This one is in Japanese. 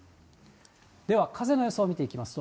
では、風の予想を見ていきますと、